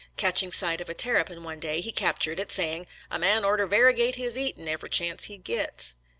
Catching sight of a terrapin one day, he captured it, say ing, " A man orter vairegate his eatin' every chance he gits."